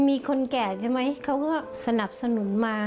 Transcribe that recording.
มีคนแก่ใช่ไหมเขาก็สนับสนุนมา